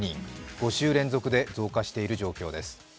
５週連続で増加している状況です。